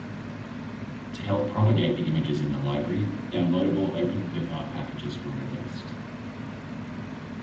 To help propagate the images in the library, downloadable Openclipart packages were released.